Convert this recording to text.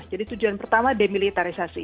jadi tujuan pertama demilitarisasi